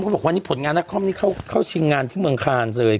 เขาบอกวันนี้ผลงานนักคอมนี่เข้าชิงงานที่เมืองคานเลย